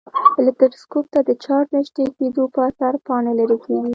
الکتروسکوپ ته د چارج نژدې کېدو په اثر پاڼې لیري کیږي.